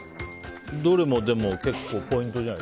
どれも結構ポイントじゃない？